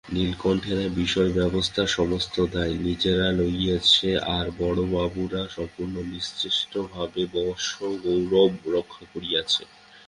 নীলকণ্ঠেরা বিষয়ব্যবস্থার সমস্ত দায় নিজেরা লইয়াছে আর বড়োবাবুরা সম্পূর্ণ নিশ্চেষ্টভাবে বংশগৌরব রক্ষা করিয়াছে।